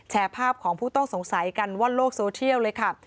ภาพของผู้ต้องสงสัยกันว่อนโลกโซเชียลเลยค่ะ